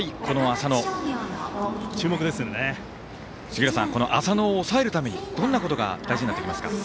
浅野を抑えるためにどんなことが大事になってきますか？